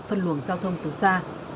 phân luồng giao thông từ xa